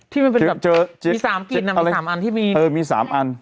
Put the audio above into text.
ที่มันเป็นแบบมี๓กลิ่นนะมี๓อันที่มีเออมี๓อัน